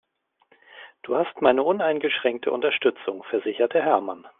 Du hast meine uneingeschränkte Unterstützung, versicherte Hermann.